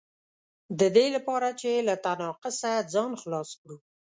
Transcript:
د دې لپاره چې له تناقضه ځان خلاص کړو.